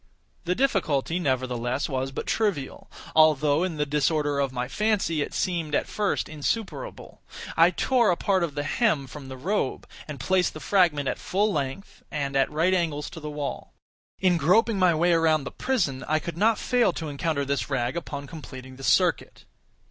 The difficulty, nevertheless, was but trivial; although, in the disorder of my fancy, it seemed at first insuperable. I tore a part of the hem from the robe and placed the fragment at full length, and at right angles to the wall. In groping my way around the prison, I could not fail to encounter this rag upon completing the circuit.